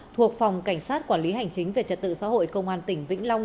thuộc phòng cảnh sát quản lý hành chính về trật tự xã hội công an tỉnh vĩnh long